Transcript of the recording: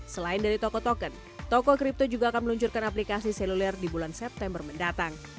selain dari toko token toko kripto juga akan meluncurkan aplikasi seluler di bulan september mendatang